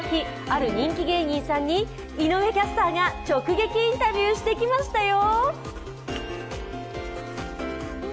ある人気芸人さんに井上キャスターが直撃インタビューしてきましたよ。